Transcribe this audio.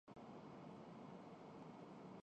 جماعت اسلامی تاریخی اعتبار سے بھی سب سے قدیم ہے۔